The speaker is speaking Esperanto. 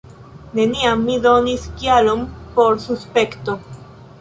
Neniam mi donis kialon por suspekto.